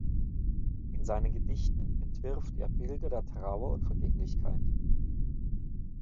In seinen Gedichten entwirft er Bilder der Trauer und Vergänglichkeit.